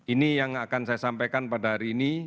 ini yang akan saya sampaikan pada hari ini